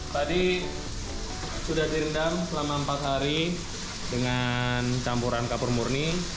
tadi sudah direndam selama empat hari dengan campuran kapur murni